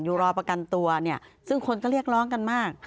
รอประกันตัวเนี่ยซึ่งคนก็เรียกร้องกันมาก